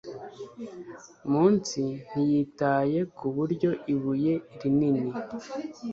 Munsi ntiyitaye kuburyo ibuye rinini